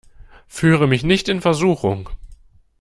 Führe mich nicht in Versuchung!